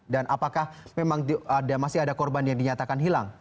dan apakah memang masih ada korban yang dinyatakan hilang